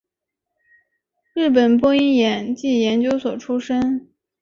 日本播音演技研究所出身。